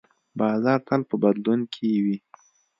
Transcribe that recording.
بازار تل په بدلون کې وي.